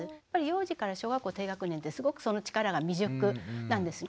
幼児から小学校低学年ってすごくその力が未熟なんです。